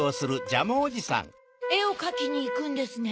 えをかきにいくんですね？